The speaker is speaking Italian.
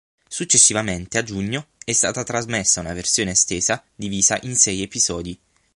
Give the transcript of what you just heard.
Successivamente, a giugno, è stata trasmessa una versione estesa divisa in sei episodi.